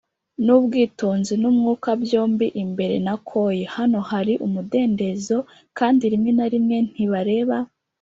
nubwitonzi, numwuka byombi imbere na coy. hano hari umudendezo, kandi rimwe na rimwe ntibareba